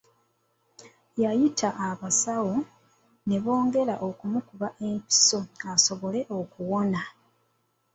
Yayita abasawo ne bongera okumukuba empiso asobole okuwona.